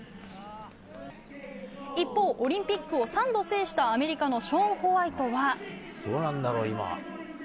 一方、オリンピックを３度制したアメリカのショーン・ホワイトは。